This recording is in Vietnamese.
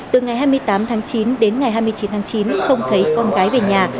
từ ngày hai mươi tám tháng chín đến ngày hai mươi chín tháng chín không thấy con gái về nhà